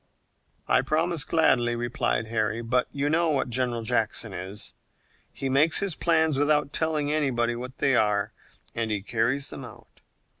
"I promise gladly," replied Harry; "but you know what General Jackson is. He makes his plans without telling anybody what they are, and he carries them out.